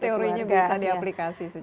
teorinya bisa diaplikasi secara real